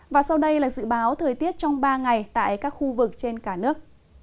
và sau đây là dự báo thời tiết trong ba ngày tại các khu vực trên cả nước